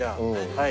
はい。